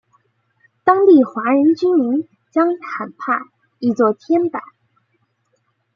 当地华人居民将坦帕译作天柏。